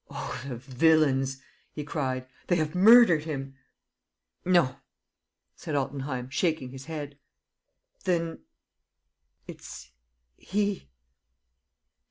"Oh, the villains!" he cried. "They have murdered him!" "No," said Altenheim, shaking his head. "Then ...?" "It's he